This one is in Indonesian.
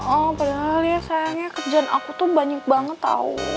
oh padahal ya sayangnya kerjaan aku tuh banyak banget tau